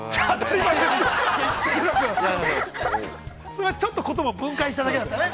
それはちょっと言葉を分解しただけだったね。